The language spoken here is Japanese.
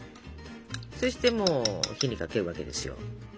そしてもう火にかけるわけですよ。